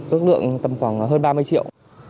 ước lượng tầm khoảng hơn ba mươi triệu